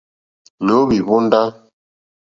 Nǒhwì hwóndá.